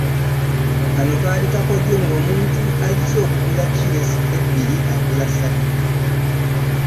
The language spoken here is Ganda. Kano kaali kakodyo ng’omuntu eyazze okugula kkiro ebbiri agula ssatu.